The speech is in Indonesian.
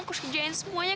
aku harus ngejahin semuanya